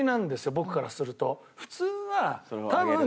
僕からすると。